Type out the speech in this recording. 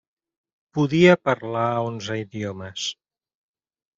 Podia parlar onze idiomes.